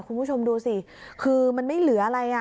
คุณผู้ชมดูสิคือมันไม่เหลืออะไรอ่ะ